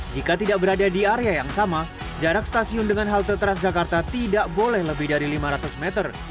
jika tidak berada di area yang sama jarak stasiun dengan halte transjakarta tidak boleh lebih dari lima ratus meter